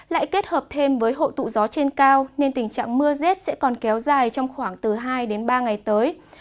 lại kết hợp thêm với hộ tụ gió trên cao nên tình trạng mưa rét sẽ còn kéo dài trong khoảng từ hai đến ba ngày tới